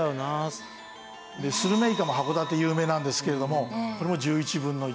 スルメイカも函館有名なんですけれどもこれも１１分の１。